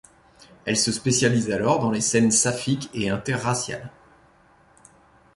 Elle se spécialise alors dans les scènes saphiques et interraciales.